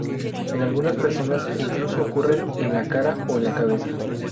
En algunas personas, incluso ocurren en la cara o en la cabeza.